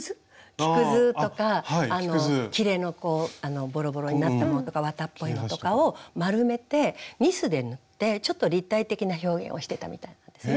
木くずとかきれのボロボロになったものとか綿っぽいのとかを丸めてニスで塗ってちょっと立体的な表現をしてたみたいなんですね。